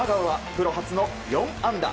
プロ初の４安打。